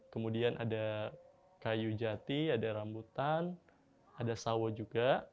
kemudian ada kayu jati ada rambutan ada sawo juga